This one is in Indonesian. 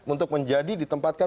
untuk menjadi ditempatkan